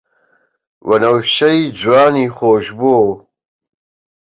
وەنەوشەی جوانی خۆشبۆ